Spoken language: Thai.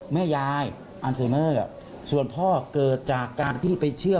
แม่ยายอันไซเมอร์ส่วนพ่อเกิดจากการพี่ไปเชื่อ